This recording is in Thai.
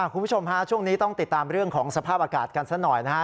คุณผู้ชมฮะช่วงนี้ต้องติดตามเรื่องของสภาพอากาศกันซะหน่อยนะฮะ